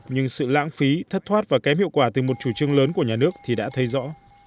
nhưng sự lãng phí thất thoát và kém hiệu quả từ một chủ trương lớn của nhà nước thì đã thấy rõ